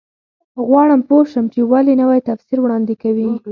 غواړم پوه شم چې ولې نوی تفسیر وړاندې کوي.